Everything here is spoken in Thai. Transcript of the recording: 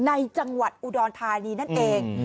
ในจังหวัดอุดรธานีนั่นเอง